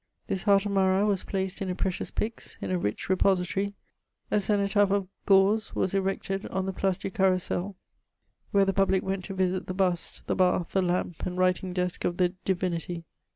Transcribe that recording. This heart of Marat was placed in a precious pyx, in a ndk repository : a cenotaph of gauze was erected on me Place du Carrousel, where the public went to visit the bust, the bath, the lamp, and writing desk of the divinity.